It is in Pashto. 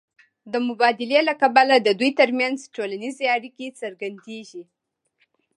د مبادلې له کبله د دوی ترمنځ ټولنیزې اړیکې څرګندېږي